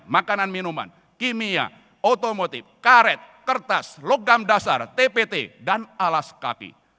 makanan minuman kimia otomotif karet kertas logam dasar tpt dan alas kaki